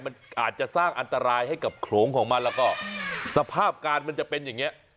มันอาจจะสร้างอันตรายให้กับโขลงของมันแล้วก็สภาพการมันจะเป็นอย่างเงี้ย